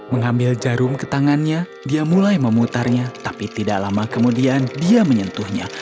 mengambil jarum ke tangannya dia mulai memutarnya tapi tidak lama kemudian dia menyentuhnya